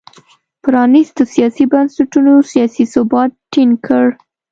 پرانیستو سیاسي بنسټونو سیاسي ثبات ټینګ کړ.